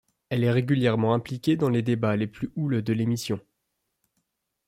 Elle est régulièrement impliquée dans les débats les plus houleux de l'émission.